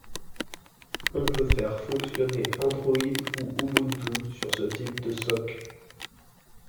On peut faire fonctionner Android ou Ubuntu sur ce type de Soc.